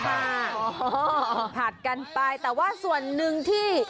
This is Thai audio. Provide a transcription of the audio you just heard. ค่ะพลัดกันไปค่ะแต่ว่าส่วนนึงที่